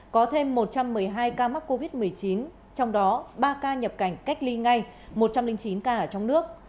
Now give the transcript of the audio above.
có thêm một trăm một mươi hai ca mắc covid một mươi chín trong đó ba ca nhập cảnh cách ly ngay một trăm linh chín ca ở trong nước